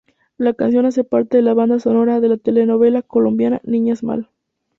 La canción hace parte de la banda sonora de la telenovela colombiana Niñas mal.